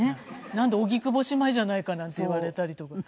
なんだ荻窪姉妹じゃないかなんて言われたりとかって。